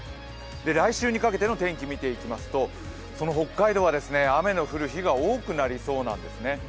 来週にかけての天気見ていきますと、北海道は雨の降る日が多くなりそうなんですね。